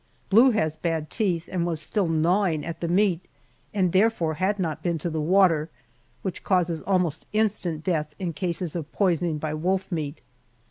Blue has bad teeth and was still gnawing at the meat, and therefore had not been to the water, which causes almost instant death in cases of poisoning by wolf meat.